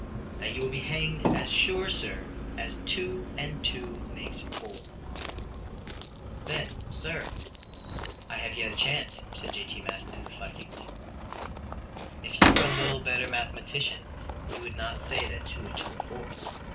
"That you will be hanged as sure, sir, as two and two make four." "Then, sir, I have yet a chance," said J.T. Maston, reflectingly. "If you were a little better mathematician you would not say that two and two are four.